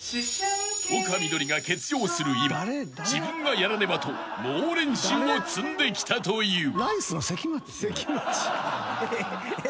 ［丘みどりが欠場する今自分がやらねばと猛練習を積んできたという］